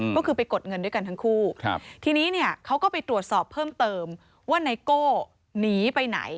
ก็คือไปกดเงินด้วยกันทั้งคู่ทีนี้เนี่ยเขาก็ไปตรวจสอบเพิ่มเติมว่าไนโก้หนีไปไหน